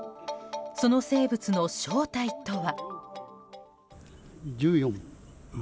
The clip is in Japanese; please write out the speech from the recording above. その生物の正体とは。